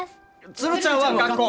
鶴ちゃんは学校！